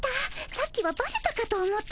さっきはバレたかと思ったよ。